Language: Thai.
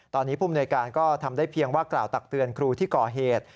ตอนนี้ผู้มนวยการก็ทำได้เพียงว่ากล่าวตักเตือนครูที่ก่อเหตุ